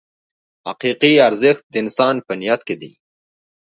حقیقي ارزښت د انسان په نیت کې دی.